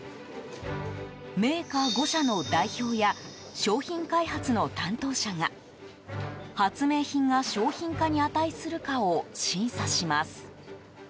メーカー５社の代表や商品開発の担当者が発明品が商品化に値するかを審査します。